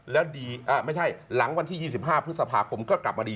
และหลังวันที่๒๕พฤษภาคมก็กลับมาดี